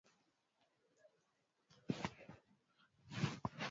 a nuclear kujaribu kutuliza hali joto ambalo